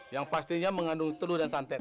yang pastinya mengandung telur dan santan